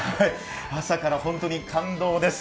朝から本当に感動です。